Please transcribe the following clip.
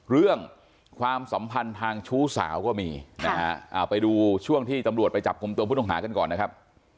เรื่องความสัมพันธ์ทางชู้สาวก็มีนะฮะเอาไปดูช่วงที่ตำรวจไปจับกลุ่มตัวผู้ต้องหากันก่อนนะครับ